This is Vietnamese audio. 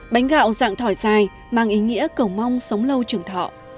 bánh gạo dạng thỏi dài mang ý nghĩa cầu mong sống lâu trường thọ